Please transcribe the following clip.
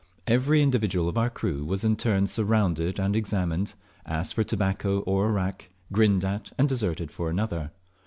Every individual of our crew was in turn surrounded and examined, asked for tobacco or arrack, grinned at and deserted for another.